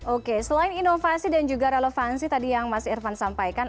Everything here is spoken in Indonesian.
oke selain inovasi dan juga relevansi tadi yang mas irvan sampaikan